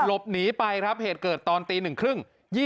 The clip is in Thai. หลบหนีไปครับเหตุเกิดตอนตีหนึ่งครึ่ง